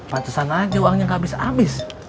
patusan aja uangnya gak abis abis